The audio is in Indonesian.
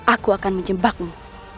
aku akan menjembakmu